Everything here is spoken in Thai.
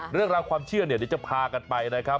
เรื่องราวความเชื่อเนี่ยเดี๋ยวจะพากันไปนะครับ